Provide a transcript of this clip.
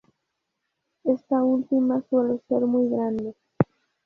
Esta última suele ser muy grande.